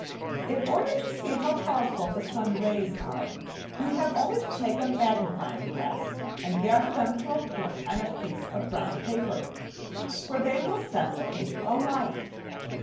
In order to see how powerful the sun's rays are, you have only to take a magnifying glass and gather them to a point on a piece of brown paper, for they will set the paper alight.